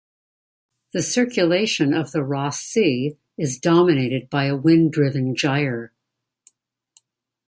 The circulation of the Ross Sea is dominated by a wind-driven gyre.